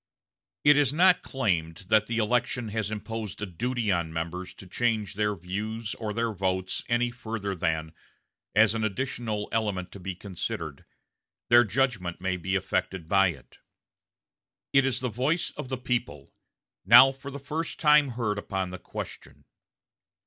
It is not claimed that the election has imposed a duty on members to change their views or their votes any further than, as an additional element to be considered, their judgment may be affected by it. It is the voice of the people, now for the first time heard upon the question.